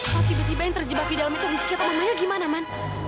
kalo tiba tiba yang terjebak di dalam itu rizky atau mamanya gimana man